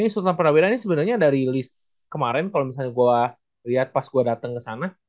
ini sultan perbedaan ini sebenarnya dari list kemarin kalau misalnya gue lihat pas gue datang ke sana